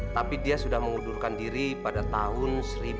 tapi dia sudah mengundurkan diri pada tahun seribu sembilan ratus sembilan puluh